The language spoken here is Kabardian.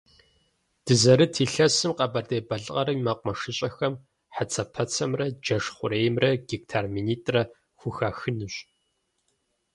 Дызэрыт илъэсым Къэбэрдей-Балъкъэрым и мэкъумэшыщӀэхэм хьэцэпэцэмрэ джэш хъуреймрэ гектар минитӀрэ хухахынущ.